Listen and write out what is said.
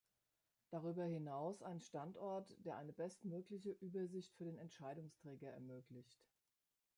Darüber hinaus ein Standort, der eine bestmögliche Übersicht für den Entscheidungsträger ermöglicht.